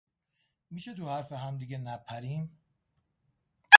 میشه تو حرف همدیگه نپریم؟